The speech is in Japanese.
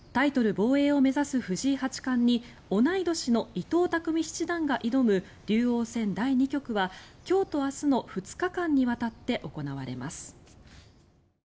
防衛を目指す藤井八冠に同い年の伊藤匠七段が挑む竜王戦第２局は今日と明日の２日間にわたって行われます。